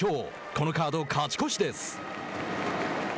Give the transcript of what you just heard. このカード勝ち越しです。